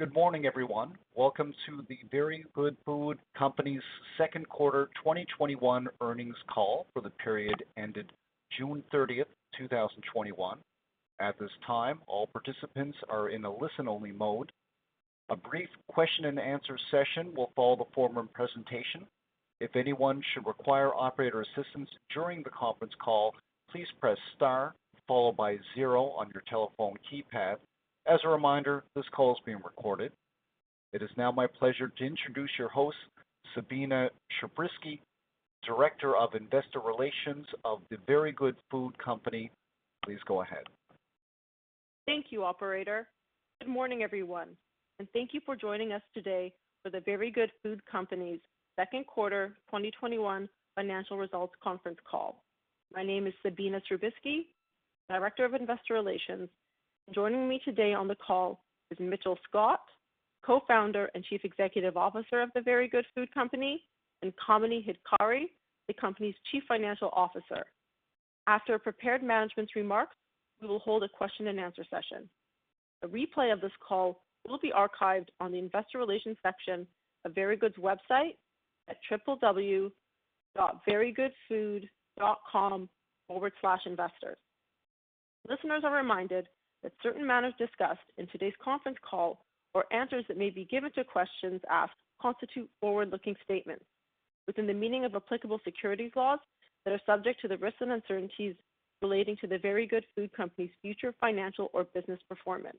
Good morning, everyone. Welcome to The Very Good Food Company's Second Quarter 2021 Earnings Call for the period ended June 30th, 2021. At this time, all participants are in a listen-only mode. A brief question-and-answer session will follow the formal presentation. If anyone should require operator assistance during the conference call, please press the star followed by zero on your telephone keypad. As a reminder, this call is being recorded. It is now my pleasure to introduce your host, Sabina Srubiski, Director of Investor Relations of The Very Good Food Company. Please go ahead. Thank you, operator. Good morning, everyone, and thank you for joining us today for The Very Good Food Company's second quarter 2021 financial results conference call. My name is Sabina Srubiski, Director of Investor Relations. Joining me today on the call are Mitchell Scott, Co-founder and Chief Executive Officer of The Very Good Food Company, and Kamini Hitkari, the company's Chief Financial Officer. After preparing management's remarks, we will hold a question and answer session. A replay of this call will be archived on the investor relations section of Very Good's website at www.verygoodfood.com/investor. Listeners are reminded that certain matters discussed in today's conference call, or answers that may be given to questions asked, constitute forward-looking statements within the meaning of applicable securities laws that are subject to the risks and uncertainties relating to The Very Good Food Company's future financial or business performance.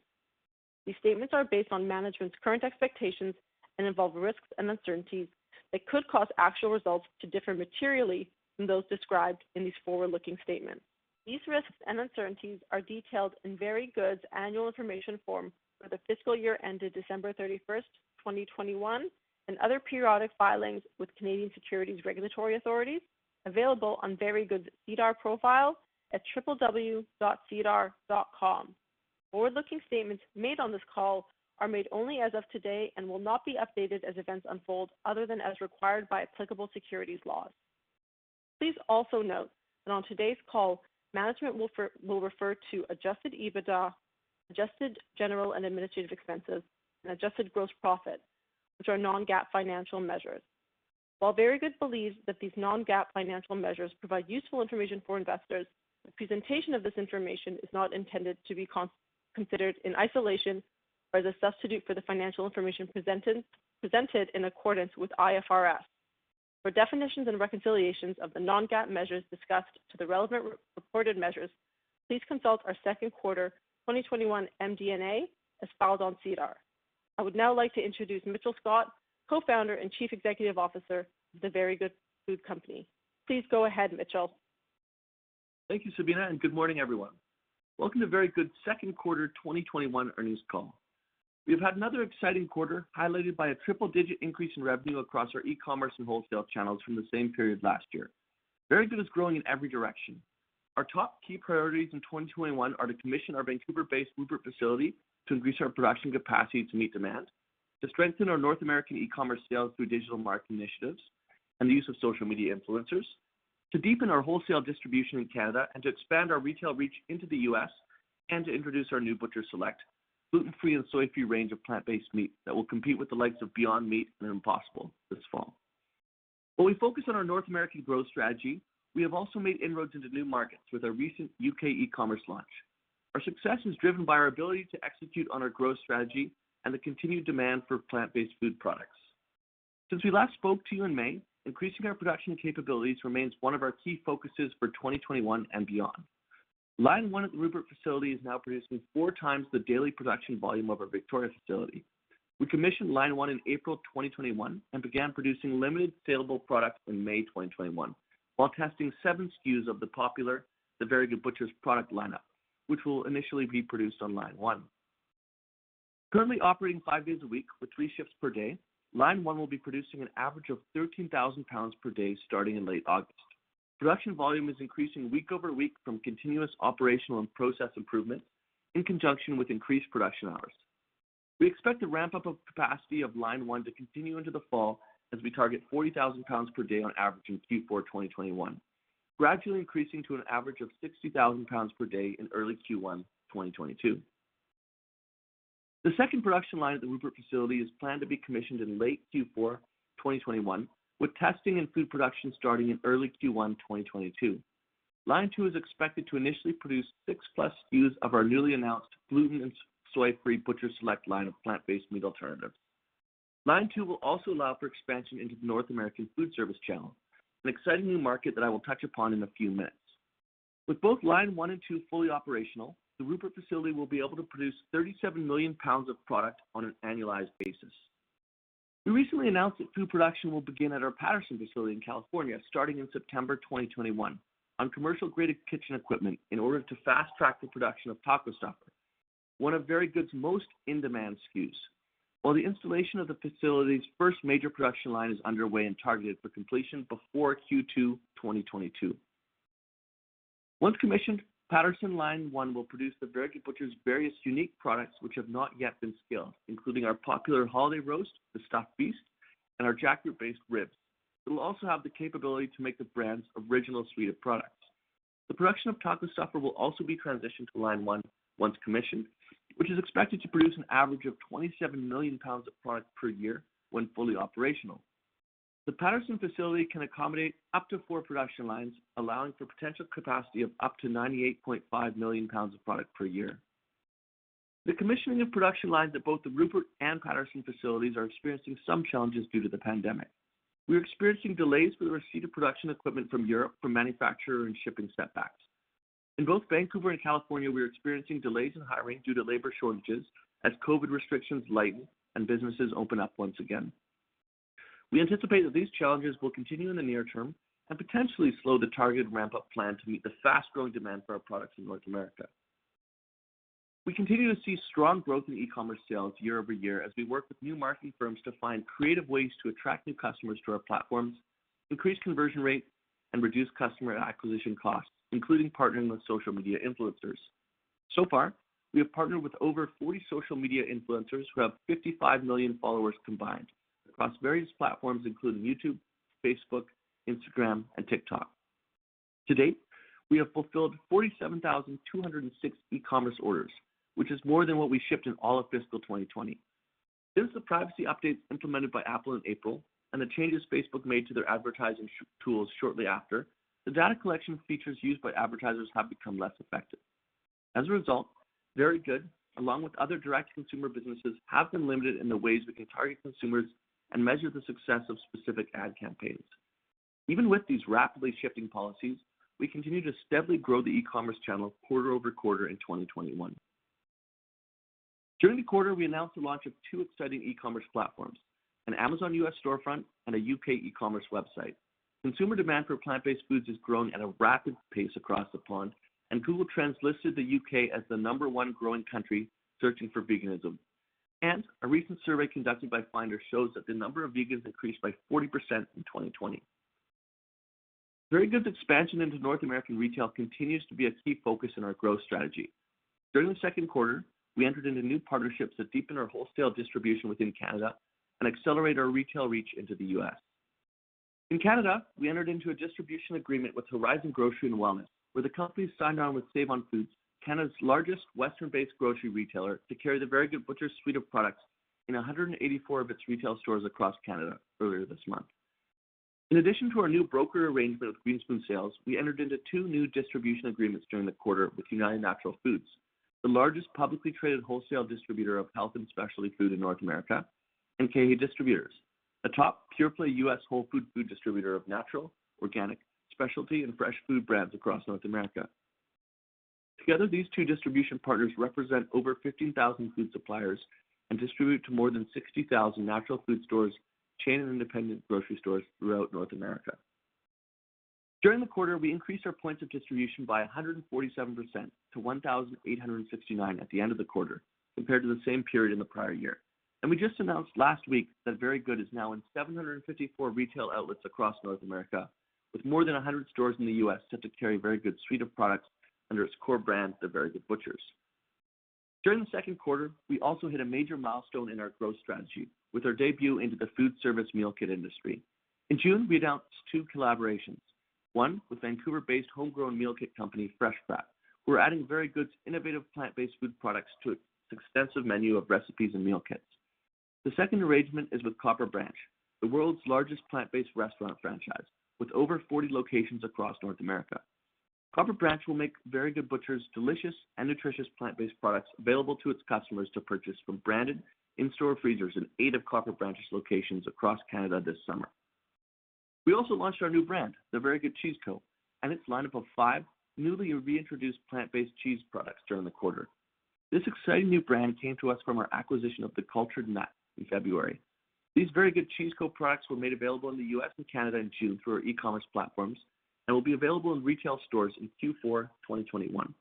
These statements are based on management's current expectations and involve risks and uncertainties that could cause actual results to differ materially from those described in these forward-looking statements. These risks and uncertainties are detailed in Very Good's annual information form for the fiscal year ended December 31st, 2021, and other periodic filings with Canadian securities regulatory authorities available on Very Good's SEDAR profile at www.sedar.com. Forward-looking statements made on this call are made only as of today and will not be updated as events unfold other than as required by applicable securities laws. Please also note that on today's call, management will refer to adjusted EBITDA, adjusted general and administrative expenses, and adjusted gross profit, which are non-GAAP financial measures. While Very Good believes that these non-GAAP financial measures provide useful information for investors, the presentation of this information is not intended to be considered in isolation or as a substitute for the financial information presented in accordance with IFRS. For definitions and reconciliations of the non-GAAP measures discussed to the relevant reported measures, please consult our second quarter 2021 MD&A as filed on SEDAR. I would now like to introduce Mitchell Scott, Co-founder and Chief Executive Officer of The Very Good Food Company. Please go ahead, Mitchell. Thank you, Sabina. Good morning, everyone. Welcome to Very Good's second quarter 2021 earnings call. We have had another exciting quarter, highlighted by a triple-digit increase in revenue across our e-commerce and wholesale channels from the same period last year. Very Good is growing in every direction. Our top key priorities in 2021 are to commission our Vancouver-based Rupert facility to increase our production capacity to meet demand, to strengthen our North American e-commerce sales through digital market initiatives and the use of social media influencers, to deepen our wholesale distribution in Canada and to expand our retail reach into the U.S., and to introduce our new Butcher's Select gluten-free and soy-free range of plant-based meat that will compete with the likes of Beyond Meat and Impossible this fall. While we focus on our North American growth strategy, we have also made inroads into new markets with our recent U.K. e-commerce launch. Our success is driven by our ability to execute on our growth strategy and the continued demand for plant-based food products. Since we last spoke to you in May, increasing our production capabilities remains one of our key focuses for 2021 and beyond. Line one at the Rupert facility is now producing four times the daily production volume of our Victoria facility. We commissioned Line one in April 2021 and began producing limited saleable products in May 2021 while testing seven SKUs of the popular The Very Good Butchers product lineup, which will initially be produced on Line one. Currently operating five days a week with three shifts per day, Line one will be producing an average of 13,000 pounds per day starting in late August. Production volume is increasing week over week from continuous operational and process improvements in conjunction with increased production hours. We expect the ramp-up of capacity of line one to continue into the fall as we target 40,000 pounds per day on average in Q4 2021, gradually increasing to an average of 60,000 pounds per day in early Q1 2022. The second production line at the Rupert facility is planned to be commissioned in late Q4 2021, with testing and food production starting in early Q1 2022. Line two is expected to initially produce +6 SKUs of our newly announced gluten- and soy-free Butcher's Select a line of plant-based meat alternatives. Line two will also allow for expansion into the North American food service channel, an exciting new market that I will touch upon in a few minutes. With both line one and two fully operational, the Rupert facility will be able to produce 37 million pounds of product on an annualized basis. We recently announced that food production will begin at our Patterson facility in California starting in September 2021 on commercial-graded kitchen equipment in order to fast-track the production of Taco Stuffer, one of Very Good's most in-demand SKUs, while the installation of the facility's first major production line is underway and targeted for completion before Q2 2022. Once commissioned, Patterson line one will produce The Very Good Butchers' various unique products, which have not yet been scaled, including our popular holiday roast, the Stuffed Beast, and our jackfruit-based ribs. It will also have the capability to make the brand's original suite of products. The production of Taco Stuffer will also be transitioned to line one once commissioned, which is expected to produce an average of 27 million pounds of product per year when fully operational. The Patterson facility can accommodate up to four production lines, allowing for a potential capacity of up to 98.5 million pounds of product per year. The commissioning of production lines at both the Rupert and Patterson facilities is experiencing some challenges due to the pandemic. We are experiencing delays in the receipt of production equipment from Europe from the manufacturer and shipping setbacks. In both Vancouver and California, we are experiencing delays in hiring due to labor shortages as COVID-19 restrictions lighten and businesses open up once again. We anticipate that these challenges will continue in the near term and potentially slow the targeted ramp-up plan to meet the fast-growing demand for our products in North America. We continue to see strong growth in e-commerce sales year-over-year as we work with new marketing firms to find creative ways to attract new customers to our platforms, increase conversion rates, and reduce customer acquisition costs, including partnering with social media influencers. So far, we have partnered with over 40 social media influencers who have 55 million followers combined across various platforms, including YouTube, Facebook, Instagram, and TikTok. To date, we have fulfilled 47,206 e-commerce orders, which is more than what we shipped in all of fiscal 2020. Since the privacy updates implemented by Apple in April and the changes Facebook made to their advertising tools shortly after, the data collection features used by advertisers have become less effective. As a result, Very Good, along with other direct-to-consumer businesses, has been limited in the ways we can target consumers and measure the success of specific ad campaigns. Even with these rapidly shifting policies, we continue to steadily grow the e-commerce channel quarter-over-quarter in 2021. During the quarter, we announced the launch of two exciting e-commerce platforms, an Amazon U.S. storefront and a U.K. e-commerce website. Consumer demand for plant-based foods is growing at a rapid pace across the pond. Google Trends listed the U.K. as the number one growing country searching for veganism. A recent survey conducted by Finder shows that the number of vegans increased by 40% in 2020. Very Good's expansion into North American retail continues to be a key focus in our growth strategy. During the second quarter, we entered into new partnerships that deepen our wholesale distribution within Canada and accelerate our retail reach into the U.S. In Canada, we entered into a distribution agreement with Horizon Grocery + Wellness, where the company signed on with Save-On-Foods, Canada's largest Western-based grocery retailer, to carry The Very Good Butchers suite of products in 184 of its retail stores across Canada earlier this month. In addition to our new broker arrangement with Green Spoon Sales, we entered into two new distribution agreements during the quarter with United Natural Foods, the largest publicly traded wholesale distributor of health and specialty food in North America, and KeHE Distributors, a top pure-play U.S. whole food distributor of natural, organic, specialty, and fresh food brands across North America. Together, these two distribution partners represent over 50,000 food suppliers and distribute to more than 60,000 natural food stores, chains, and independent grocery stores throughout North America. During the quarter, we increased our points of distribution by 147% to 1,869 at the end of the quarter compared to the same period in the prior year. We just announced last week that Very Good is now in 754 retail outlets across North America, with more than 100 stores in the U.S. set to carry Very Good's suite of products under its core brand, The Very Good Butchers. During the second quarter, we also hit a major milestone in our growth strategy with our debut into the food service meal kit industry. In June, we announced two collaborations, one with Vancouver-based homegrown meal kit company Fresh Prep, which is adding Very Good's innovative plant-based food products to its extensive menu of recipes and meal kits. The second arrangement is with Copper Branch, the world's largest plant-based restaurant franchise, with over 40 locations across North America. Copper Branch will make The Very Good Butchers' delicious and nutritious plant-based products available to its customers to purchase from branded in-store freezers in eight of Copper Branch's locations across Canada this summer. We also launched our new brand, The Very Good Cheese Co, and its lineup of five newly reintroduced plant-based cheese products during the quarter. This exciting new brand came to us from our acquisition of The Cultured Nut in February. These Very Good Cheese Co. products were made available in the U.S. and Canada in June through our e-commerce platforms and will be available in retail stores in Q4 2021.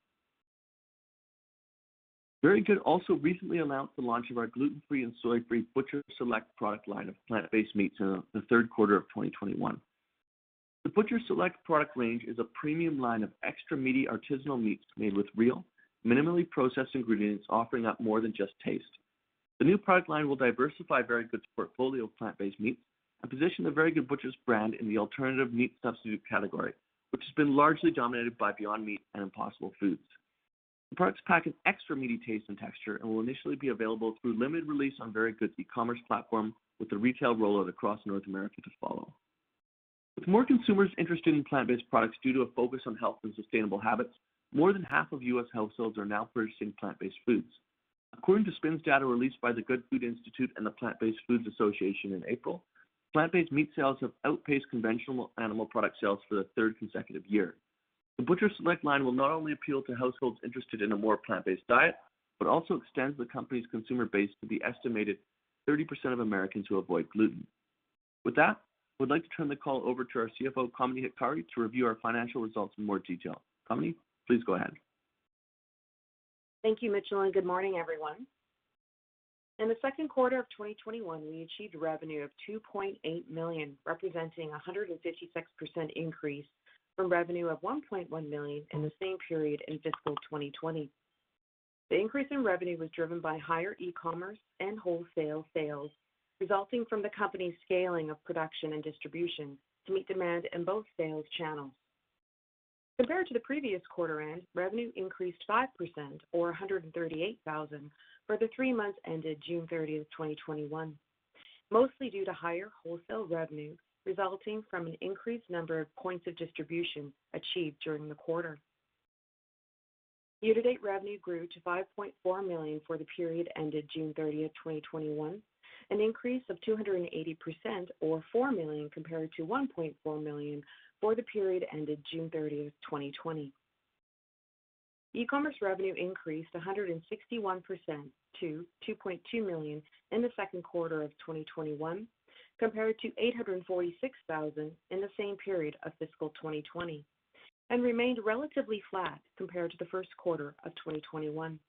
Very Good also recently announced the launch of our gluten-free and soy-free Butcher's Select a product line of plant-based meats in the third quarter of 2021. The Butcher's Select product range is a premium line of extra-meaty artisanal meats made with real, minimally processed ingredients, offering up more than just taste. The new product line will diversify Very Good's portfolio of plant-based meat and position The Very Good Butchers brand in the alternative meat substitute category, which has been largely dominated by Beyond Meat and Impossible Foods. The products pack an extra meaty taste and texture and will initially be available through limited release on Very Good's e-commerce platform, with the retail rollout across North America to follow. With more consumers interested in plant-based products due to a focus on health and sustainable habits, more than half of U.S. households are now purchasing plant-based foods. According to SPINS data released by The Good Food Institute and the Plant Based Foods Association in April, plant-based meat sales have outpaced conventional animal product sales for the third consecutive year. The Butcher's Select line will not only appeal to households interested in a more plant-based diet but also extend the company's consumer base to the estimated 30% of Americans who avoid gluten. With that, we'd like to turn the call over to our CFO, Kamini Hitkari, to review our financial results in more detail. Kamini, please go ahead. Thank you, Mitchell, and good morning, everyone. In the second quarter of 2021, we achieved revenue of 2.8 million, representing a 156% increase from revenue of 1.1 million in the same period in fiscal 2020. The increase in revenue was driven by higher e-commerce and wholesale sales, resulting from the company's scaling of production and distribution to meet demand in both sales channels. Compared to the previous quarter-end, revenue increased 5% or 138,000 for the three months ended June 30th, 2021, mostly due to higher wholesale revenue resulting from an increased number of points of distribution achieved during the quarter. Year-to-date revenue grew to 5.4 million for the period ended June 30th, 2021, an increase of 280% or 4 million compared to 1.4 million for the period ended June 30th, 2020. E-commerce revenue increased 161% to 2.2 million in the second quarter of 2021, compared to 846,000 in the same period of fiscal 2020, and remained relatively flat compared to the first quarter of 2021.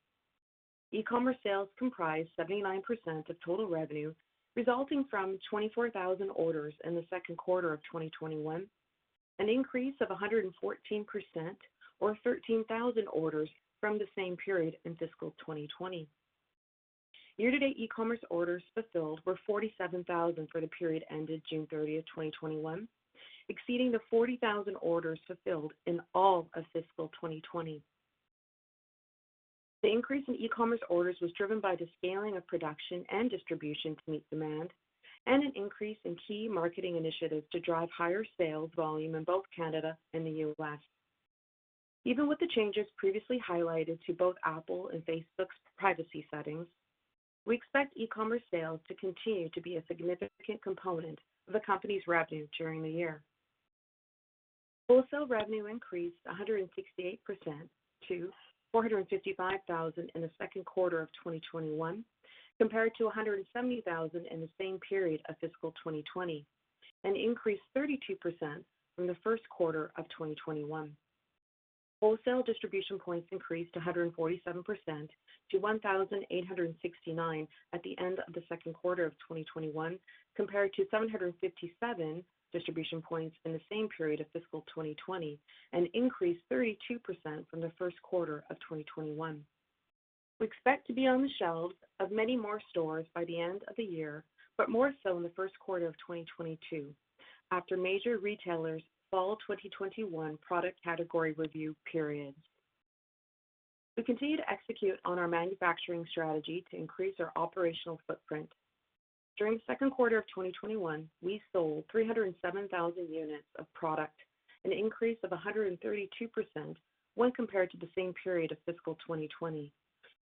E-commerce sales comprised 79% of total revenue, resulting from 24,000 orders in the second quarter of 2021, an increase of 114% or 13,000 orders from the same period in fiscal 2020. Year-to-date e-commerce orders fulfilled were 47,000 for the period ended June 30th, 2021, exceeding the 40,000 orders fulfilled in all of fiscal 2020. The increase in e-commerce orders was driven by the scaling of production and distribution to meet demand, and an increase in key marketing initiatives to drive higher sales volume in both Canada and the U.S. Even with the changes previously highlighted to both Apple's and Facebook's privacy settings, we expect e-commerce sales to continue to be a significant component of the company's revenue during the year. Wholesale revenue increased 168% to 455,000 in the second quarter of 2021, compared to 170,000 in the same period of fiscal 2020, an increase 32% from the first quarter of 2021. Wholesale distribution points increased 147% to 1,869 at the end of the second quarter of 2021, compared to 757 distribution points in the same period of fiscal 2020, an increase 32% from the first quarter of 2021. We expect to be on the shelves of many more stores by the end of the year, more so in the first quarter of 2022 after major retailers' fall 2021 product category review periods. We continue to execute on our manufacturing strategy to increase our operational footprint. During the second quarter of 2021, we sold 307,000 units of product, an increase of 132% when compared to the same period of fiscal 2020.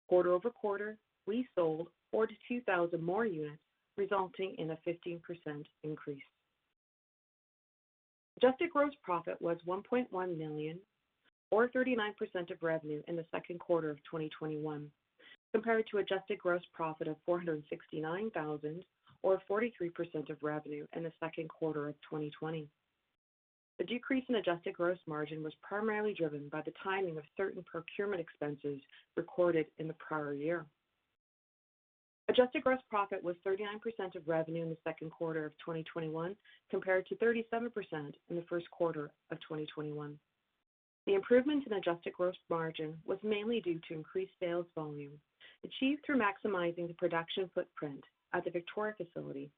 Quarter-over-quarter, we sold 42,000 more units, resulting in a 15% increase. Adjusted gross profit was 1.1 million, or 39% of revenue, in the second quarter of 2021, compared to an adjusted gross profit of 469,000 or 43% of revenue, in the second quarter of 2020. The decrease in adjusted gross margin was primarily driven by the timing of certain procurement expenses recorded in the prior year. Adjusted gross profit was 39% of revenue in the second quarter of 2021, compared to 37% in the first quarter of 2021. The improvement in adjusted gross margin was mainly due to increased sales volume, achieved through maximizing the production footprint at the Victoria facility,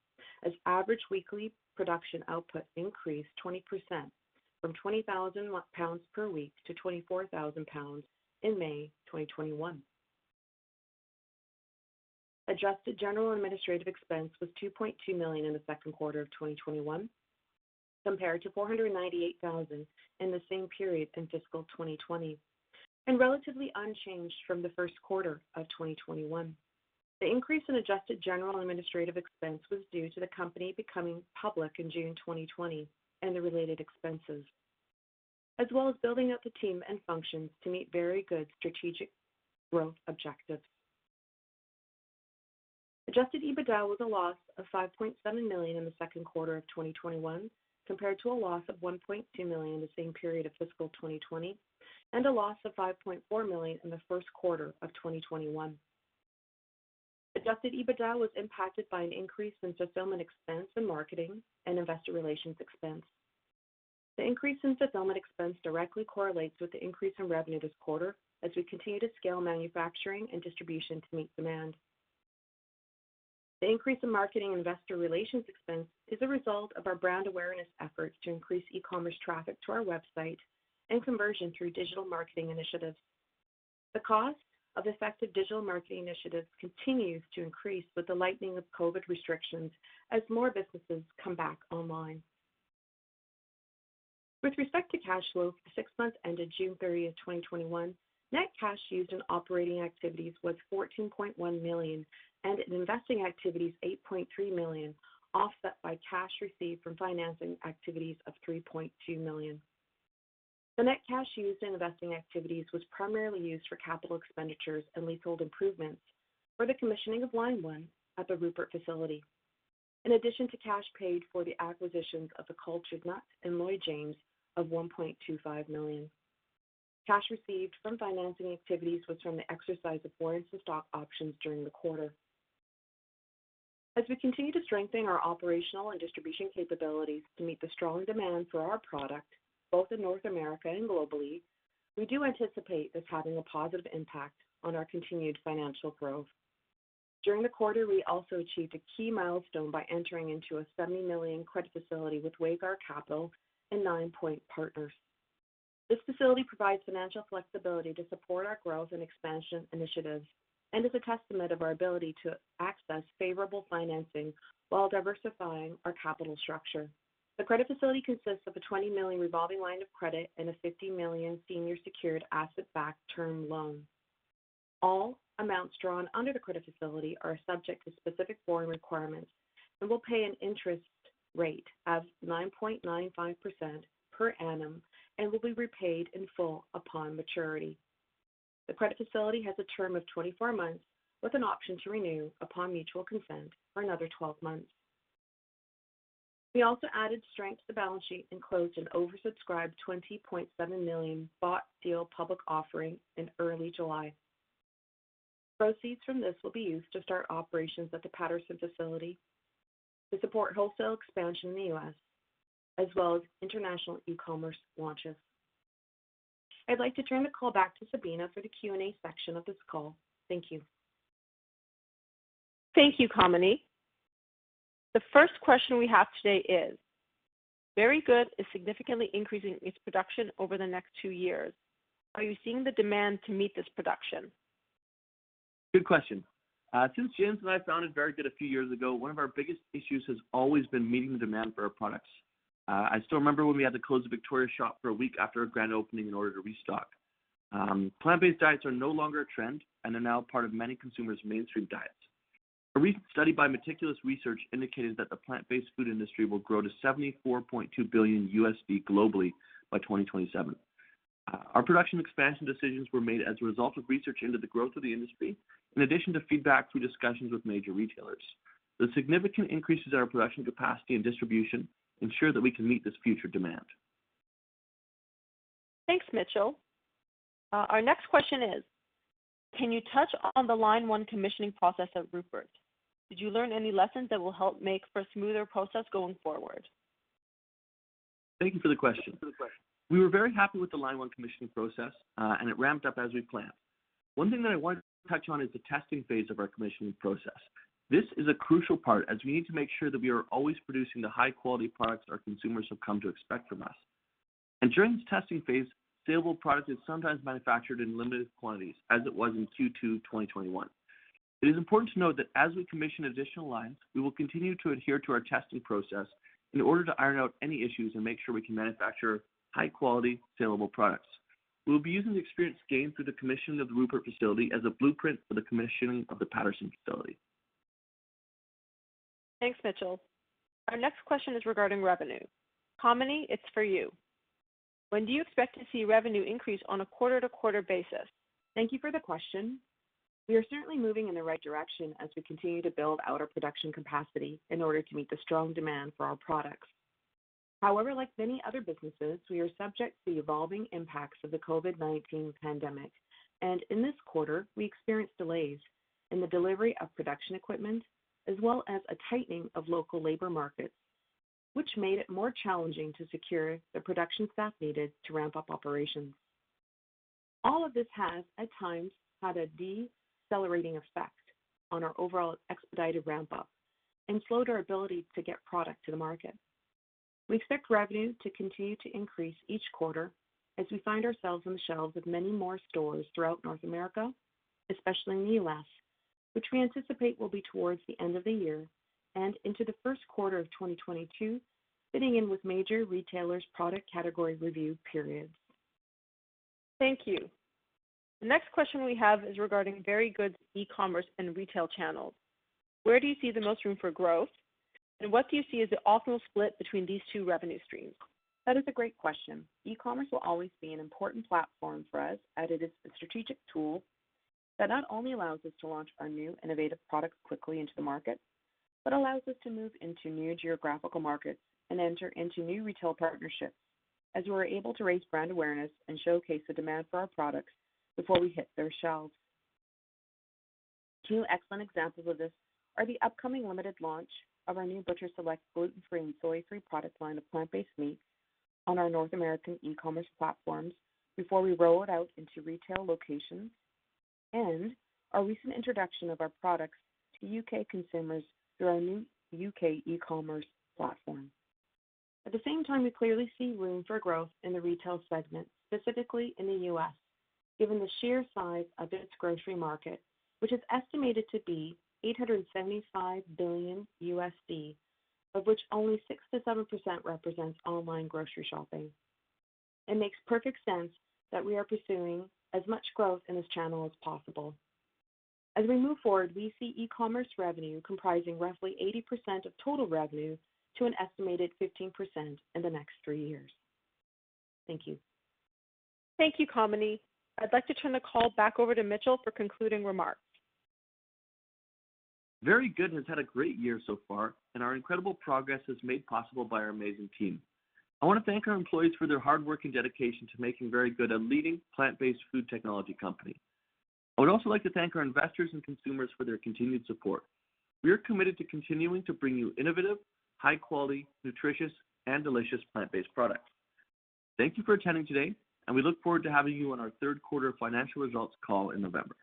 as average weekly production output increased 20% from 20,000 pounds per week to 24,000 pounds in May 2021. Adjusted general and administrative expense was 2.2 million in the second quarter of 2021, compared to 498,000 in the same period in fiscal 2020, and relatively unchanged from the first quarter of 2021. The increase in adjusted general and administrative expense was due to the company becoming public in June 2020 and the related expenses, as well as building out the team and functions to meet Very Good's strategic growth objectives. Adjusted EBITDA was a loss of 5.7 million in the second quarter of 2021, compared to a loss of 1.2 million in the same period of fiscal 2020, and a loss of 5.4 million in the first quarter of 2021. Adjusted EBITDA was impacted by an increase in fulfillment expense and marketing and investor relations expense. The increase in fulfillment expense directly correlates with the increase in revenue this quarter as we continue to scale manufacturing and distribution to meet demand. The increase in marketing investor relations expense is a result of our brand awareness efforts to increase e-commerce traffic to our website and conversion through digital marketing initiatives. The cost of effective digital marketing initiatives continues to increase with the lightening of COVID restrictions as more businesses come back online. With respect to cash flow for the six months ended June 30th, 2021, net cash used in operating activities was 14.1 million and in investing activities, 8.3 million, offset by cash received from financing activities of 3.2 million. The net cash used in investing activities was primarily used for capital expenditures and leasehold improvements for the commissioning of line one at the Rupert facility. In addition to cash paid for the acquisitions of The Cultured Nut and Lloyd-James, 1.25 million. Cash received from financing activities was from the exercise of warrants and stock options during the quarter. As we continue to strengthen our operational and distribution capabilities to meet the strong demand for our product, both in North America and globally, we do anticipate this having a positive impact on our continued financial growth. During the quarter, we also achieved a key milestone by entering into a 70 million credit facility with Waygar Capital and Ninepoint Partners. This facility provides financial flexibility to support our growth and expansion initiatives and is a testament to our ability to access favorable financing while diversifying our capital structure. The credit facility consists of a 20 million revolving line of credit and a 50 million senior secured asset-backed term loan. All amounts drawn under the credit facility are subject to specific borrowing requirements and will pay an interest rate of 9.95% per annum and will be repaid in full upon maturity. The credit facility has a term of 24 months with an option to renew upon mutual consent for another 12 months. We also added strength to the balance sheet and closed an oversubscribed 20.7 million bought-deal public offering in early July. Proceeds from this will be used to start operations at the Patterson facility and to support wholesale expansion in the U.S., as well as international e-commerce launches. I'd like to turn the call back to Sabina for the Q&A section of this call. Thank you. Thank you, Kamini. The first question we have today is, Is Very Good significantly increasing its production over the next two years? Are you seeing the demand to meet this production? Good question. Since James and I founded Very Good a few years ago, one of our biggest issues has always been meeting the demand for our products. I still remember when we had to close the Victoria shop for a week after our grand opening in order to restock. Plant-based diets are no longer a trend and are now part of many consumers' mainstream diets. A recent study by Meticulous Research indicated that the plant-based food industry will grow to $74.2 billion globally by 2027. Our production expansion decisions were made as a result of research into the growth of the industry, in addition to feedback through discussions with major retailers. The significant increases in our production capacity and distribution ensure that we can meet this future demand. Thanks, Mitchell. Our next question is, can you touch on the line one commissioning process at Rupert? Did you learn any lessons that will help make for a smoother process going forward? Thank you for the question. We were very happy with the line one commissioning process, and it ramped up as we had planned. One thing that I wanted to touch on is the testing phase of our commissioning process. This is a crucial part as we need to make sure that we are always producing the high-quality products our consumers have come to expect from us. During this testing phase, saleable products are sometimes manufactured in limited quantities, as it was in Q2 2021. It is important to note that as we commission additional lines, we will continue to adhere to our testing process in order to iron out any issues and make sure we can manufacture high-quality, saleable products. We will be using the experience gained through the commissioning of the Rupert facility as a blueprint for the commissioning of the Patterson facility. Thanks, Mitchell. Our next question is regarding revenue. Kamini, it's for you. When do you expect to see revenue increase on a quarter-to-quarter basis? Thank you for the question. We are certainly moving in the right direction as we continue to build out our production capacity in order to meet the strong demand for our products. Like many other businesses, we are subject to the evolving impacts of the COVID-19 pandemic, and in this quarter, we experienced delays in the delivery of production equipment as well as a tightening of local labor markets, which made it more challenging to secure the production staff needed to ramp up operations. All of this has, at times, had a decelerating effect on our overall expedited ramp-up and slowed our ability to get product to the market. We expect revenue to continue to increase each quarter as we find ourselves on the shelves of many more stores throughout North America, especially in the U.S., which we anticipate will be towards the end of the year and into the first quarter of 2022, fitting in with major retailers' product category review periods. Thank you. The next question we have is regarding Very Good's e-commerce and retail channels. Where do you see the most room for growth, and what do you see as the optimal split between these two revenue streams? That is a great question. E-commerce will always be an important platform for us, as it is a strategic tool that not only allows us to launch our new innovative products quickly into the market but also allows us to move into new geographical markets and enter into new retail partnerships, as we are able to raise brand awareness and showcase the demand for our products before we hit their shelves. Two excellent examples of this are the upcoming limited launch of our new Butcher's Select gluten-free and soy-free product line of plant-based meats on our North American e-commerce platforms before we roll it out into retail locations and our recent introduction of our products to U.K. consumers through our new U.K. e-commerce platform. At the same time, we clearly see room for growth in the retail segment, specifically in the U.S., given the sheer size of its grocery market, which is estimated to be $875 billion, of which only 6%-7% represents online grocery shopping. It makes perfect sense that we are pursuing as much growth in this channel as possible. As we move forward, we see e-commerce revenue comprising roughly 80% of total revenue, estimated to fall to 15% in the next three years. Thank you. Thank you, Kamini. I'd like to turn the call back over to Mitchell for concluding remarks. Very Good has had a great year so far, and our incredible progress is made possible by our amazing team. I want to thank our employees for their hard work and dedication to making Very Good a leading plant-based food technology company. I would also like to thank our investors and consumers for their continued support. We are committed to continuing to bring you innovative, high-quality, nutritious, and delicious plant-based products. Thank you for attending today, and we look forward to having you on our third quarter financial results call in November.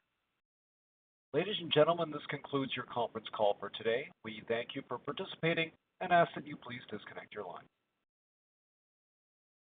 Ladies and gentlemen, this concludes your conference call for today. We thank you for participating and ask that you please disconnect your line.